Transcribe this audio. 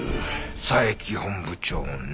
佐伯本部長の？